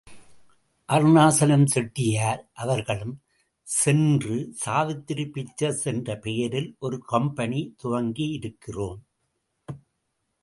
அருணாசலம் செட்டியார் அவர்களும் சென்று, சாவித்திரி பிக்சர்ஸ் என்ற பெயரில் ஒரு கம்பெனி துவங்கியிருக்கிறோம்.